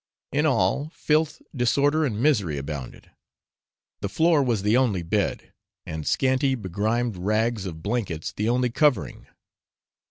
In all, filth, disorder and misery abounded; the floor was the only bed, and scanty begrimed rags of blankets the only covering.